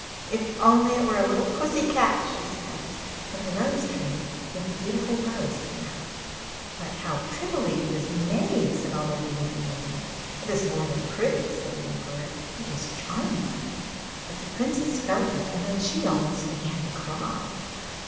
'If only it were a little pussy cat!' she said. But the rose tree with the beautiful rose came out. 'But how prettily it is made!' said all the ladies in waiting. 'It is more than pretty,' said the Emperor, 'it is charming!' But the Princess felt it, and then she almost began to cry.